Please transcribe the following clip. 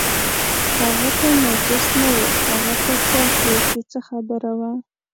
هغه ته نجس نه و، هغه ته پاک و چې څه خبره وه.